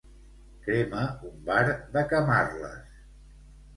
Crema un bar de Camarles.